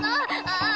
ああ！